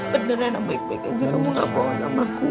beneran yang baik baik aja kamu gak bohong namaku